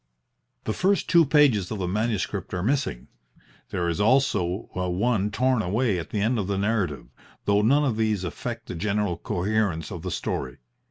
The first two pages of the manuscript are missing. There is also one torn away at the end of the narrative, though none of these affect the general coherence of the story.